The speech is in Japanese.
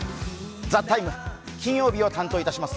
「ＴＨＥＴＩＭＥ，」、金曜日を担当いたします